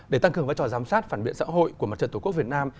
để tăng cường vai trò giám sát phản biện xã hội của mặt trận tổ quốc việt nam